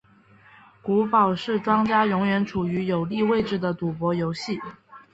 骰宝是庄家永远处于有利位置的赌博游戏。